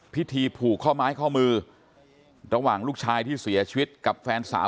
พิธีผูกข้อไม้ข้อมือระหว่างลูกชายที่เสียชีวิตกับแฟนสาว